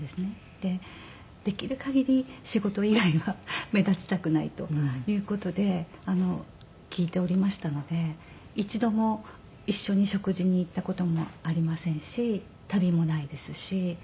でできる限り仕事以外は目立ちたくないという事で聞いておりましたので一度も一緒に食事に行った事もありませんし旅もないですし。